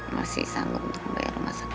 masih sanggup untuk membayar rumah sakit